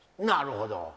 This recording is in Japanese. なるほど！